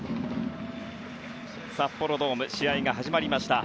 札幌ドーム試合が始まりました。